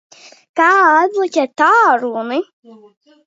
Kā atbloķēt tālruni?